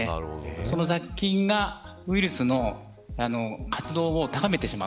その雑菌がウイルスの活動を高めてしまう。